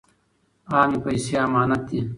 عامې پیسې امانت دي.